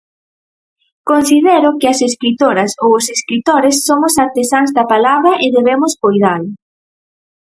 Considero que as escritoras ou os escritores somos artesáns da palabra e debemos coidala.